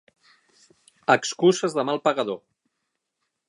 Excuses de mal pagador!